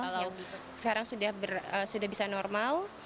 kalau sekarang sudah bisa normal